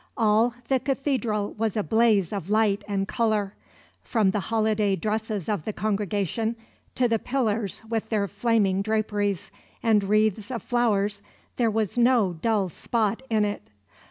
All the Cathedral was a blaze of light and colour; from the holiday dresses of the congregation to the pillars with their flaming draperies and wreaths of flowers there was no dull spot in it.